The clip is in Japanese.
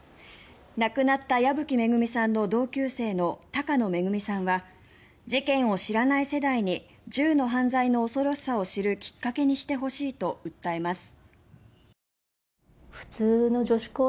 亡くなった矢吹恵さんの同級生の鷹野めぐみさんは事件を知らない世代に銃の犯罪の恐ろしさを知るきっかけにしてほしいと訴えます。